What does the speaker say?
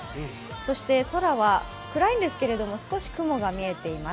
そして、空は暗いんですけれども、少し雲が見えています。